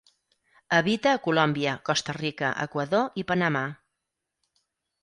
Habita a Colòmbia, Costa Rica, Equador i Panamà.